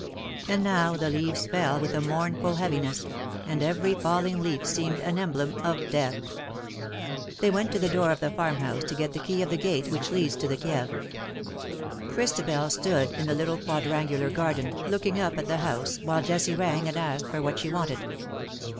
And now the leaves fell with a mournful heaviness, and every falling leaf seemed an emblem of death. They went to the door of the farm house to get the key of the gate which leads to the Kieve. Christabel stood in the little quadrangular garden, 48 DUEL OR MURDER ? looking up at tlie house^ while Jessie rang and asked for what she wanted.